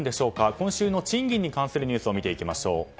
今週の賃金に関するニュースを見てみましょう。